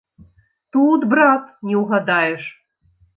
Тут, брат, не ўгадаеш.